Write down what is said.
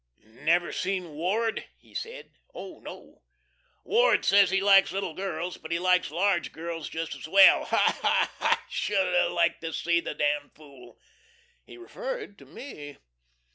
"Never seen Ward?" he said. "Oh, no." "Ward says he likes little girls, but he likes large girls just as well. Haw, haw, haw! I should like to see the d fool!" He referred to me.